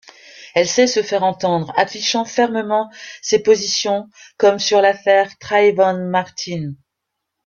Elle sait se faire entendre, affichant fermement ses positions, comme sur l'Affaire Trayvon Martin.